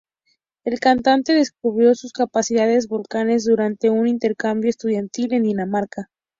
El cantante descubrió sus capacidades vocales durante un intercambio estudiantil en Dinamarca.